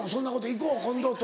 「行こう今度」とか。